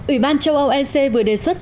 ủy ban châu âu ec vừa đề xuất